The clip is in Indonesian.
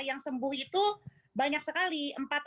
yang sembuh itu banyak sekali